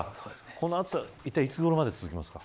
この暑さはいつごろまで続きますか。